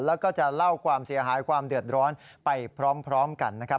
แล้วก็จะเล่าความเสียหายความเดือดร้อนไปพร้อมกันนะครับ